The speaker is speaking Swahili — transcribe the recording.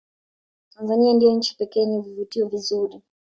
tanzania ndiyo nchi pekee yenye vivutio vinzuri